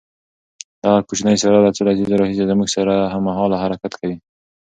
دغه کوچنۍ سیاره له څو لسیزو راهیسې زموږ سره هممهاله حرکت کوي.